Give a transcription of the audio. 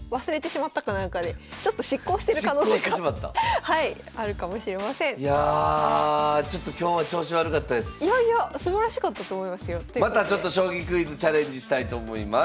またちょっと「将棋クイズ」チャレンジしたいと思います。